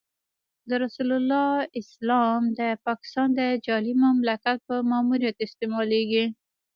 د رسول الله اسلام د پاکستان د جعلي مملکت په ماموریت استعمالېږي.